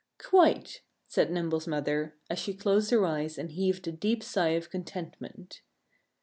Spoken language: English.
"Quite!" said Nimble's mother, as she closed her eyes and heaved a deep sigh of contentment.